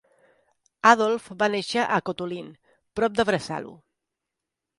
Adolf va néixer a Kotulin, prop de Bresalu.